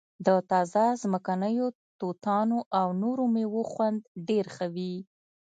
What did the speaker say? د تازه ځمکنیو توتانو او نورو میوو خوند ډیر ښه وي